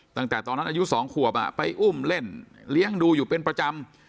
ตั้งแต่ตอนนั้นอายุ๒ขวบไปอุ้มเล่นเลี้ยงดูอยู่เป็นประจำ